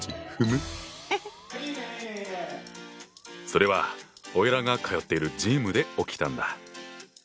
それはオイラが通っているジムで起きたんだ。